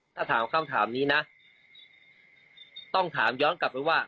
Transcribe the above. ถ้าถามคำถามนี้นะต้องถามย้อนกลับไปว่า